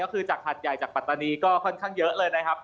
ก็คือจากหัดใหญ่จากปัตตานีก็ค่อนข้างเยอะเลยนะครับ